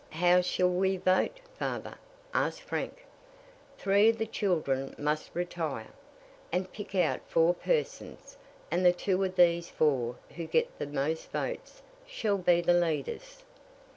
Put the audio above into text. "How shall we vote, father?" asked Frank. "Three of the children must retire, and pick out four persons; and the two of these four who get the most votes shall be the leaders."